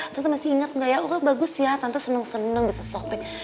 tante masih inget gak ya oh bagus ya tante seneng seneng bisa shopping